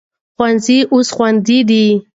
ښوونځي اوس خوندي دي.